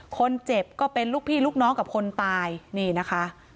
ก็เป็นลูกพี่ลูกน้องกับคนตายนี่นะคะ